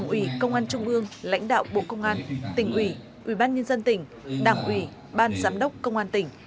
ủy công an trung ương lãnh đạo bộ công an tỉnh ủy ủy ban nhân dân tỉnh đảng ủy ban giám đốc công an tỉnh